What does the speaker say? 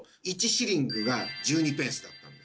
シリングが１２ペンスだったんです。